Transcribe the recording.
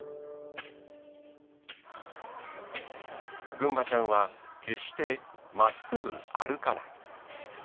ぐんまちゃんは決してまっすぐ歩かない。